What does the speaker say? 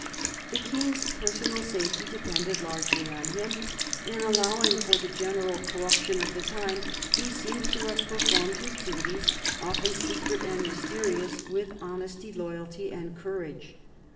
The King's personal safety depended largely on him, and allowing for the general corruption of the time, he seems to have performed his duties, often secret and mysterious, with honesty, loyalty, and courage.